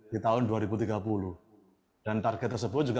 di tahun dua ribu tiga puluh dan target tersebut juga